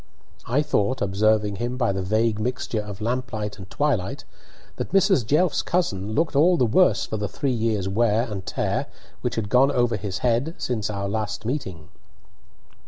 I thought, observing him by the vague mixture of lamplight and twilight, that Mrs. Jelf's cousin looked all the worse for the three years' wear and tear which had gone over his head since our last meeting.